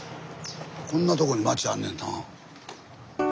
こんなとこに町あんねんな。